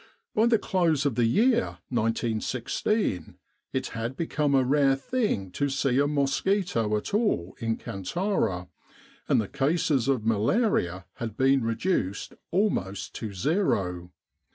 By the close of the year 1916 it had become a rare thing to see a mosquito at all in Kantara, and the cases of malaria had been reduced almost to zero.